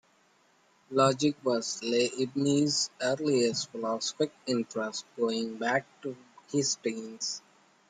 Logic was Leibniz's earliest philosophic interest going back to his teens.